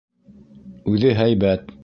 Үҙе һәйбәт.